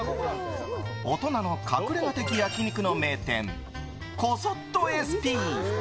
大人の隠れ家的焼き肉の名店コソットエスピー。